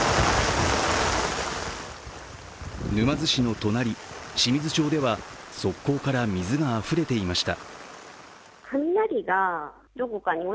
沼津市の隣、清水町では側溝から水があふれていました。